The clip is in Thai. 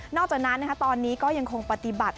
อกจากนั้นตอนนี้ก็ยังคงปฏิบัติ